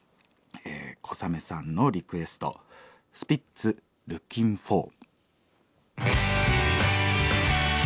小雨さんのリクエストスピッツ「ルキンフォー」。